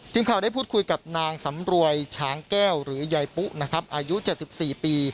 ทีมข่าวได้พูดคุยกับนางสำรวยช้างแก้วหรือใยปุนะครับอายุเจ็ดสิบสี่ปี